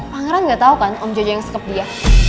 pangeran gak tau kan om jojo yang sekep dia